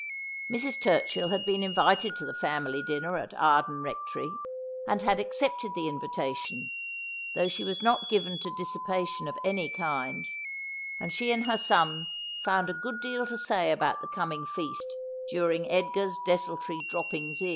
Mrs. Turchill had been invited to the family dinner at Arden Rectory, and had accepted the invitation, though she was not given to dissipation of any kind, and she and her son found a good deal to say about the coming feast during Edgar's desul tory droppings in.